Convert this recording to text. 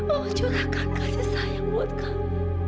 oh curahkan kasih sayang buat kamu